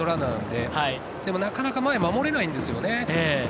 でもなかなか前を守れないんですよね。